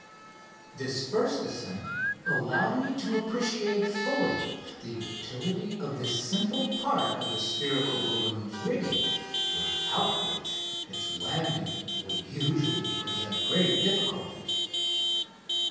This first ascent allowed me to appreciate fully the utility of this simple part of the spherical balloon's rigging, without which its landing would usually present grave difficulties.